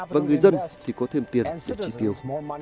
và người dân thì có thêm tiền rất chi tiêu